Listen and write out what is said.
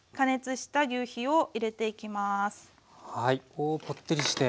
おぽってりして。